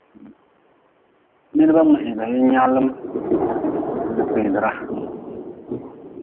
Nidba mngehii ba yin nyaalm n kpiidra.